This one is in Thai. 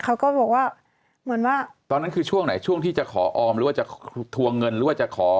เขาก็บอกว่าเหมือนว่าตอนนั้นคือช่วงไหนช่วงที่จะขอออมหรือว่าจะทวงเงินหรือว่าจะขอ